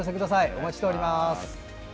お待ちしております。